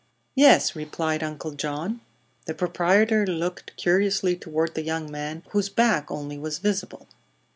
"Yes," replied Uncle John. The proprietor looked curiously toward the young man, whose back only was visible.